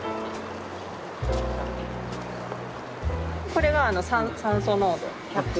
これが酸素濃度１００。